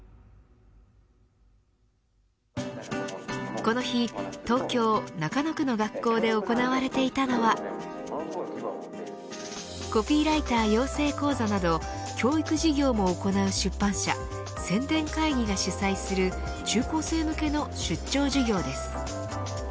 この日、東京、中野区の学校で行われていたのはコピーライター養成講座など教育事業も行う出版社宣伝会議が主催する中高生向けの出張授業です。